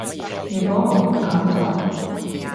如果我唔噉做